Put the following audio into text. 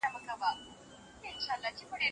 خپل تېر ژوند ته په دقت سره وګوره.